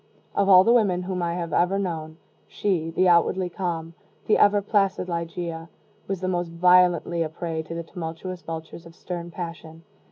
Of all the women whom I have ever known, she, the outwardly calm, the ever placid Ligeia, was the most violently a prey to the tumultuous vultures of stern passion.